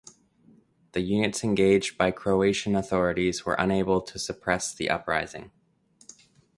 The units engaged by Croatian authorities were unable to suppress the uprising.